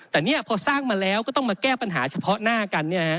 แต่นี่พอสร้างมาแล้วก็ต้องมาแก้ปัญหาเฉพาะหน้ากัน